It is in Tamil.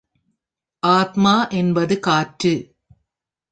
ஆத்மா என்பது காற்று.